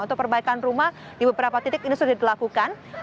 untuk perbaikan rumah di beberapa titik ini sudah dilakukan